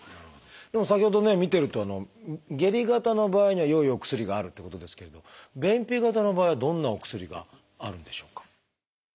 でも先ほどね見てると下痢型の場合には良いお薬があるってことですけれど便秘型の場合はどんなお薬があるんでしょうか？